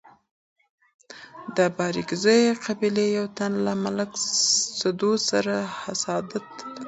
د بارکزيو قبيلي يو تن له ملک سدو سره حسادت کاوه.